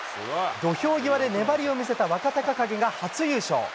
土俵際で粘りを見せた若隆景が初優勝。